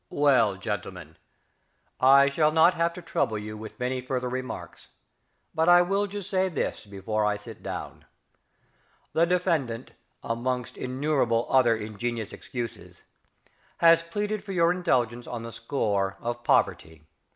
_) Well, gentlemen, I shall not have to trouble you with many further remarks, but I will just say this before I sit down: The defendant amongst innumerable other ingenious excuses, has pleaded for your indulgence on the score of poverty.